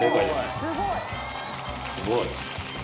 すごい。